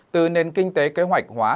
từ nền kinh tế kế hoạch hóa